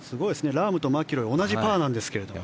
ラームとマキロイ同じパーなんですけどね。